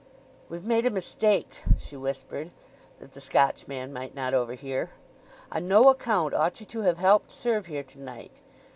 "We've made a mistake," she whispered (that the Scotchman might not overhear). "On no account ought ye to have helped serve here to night.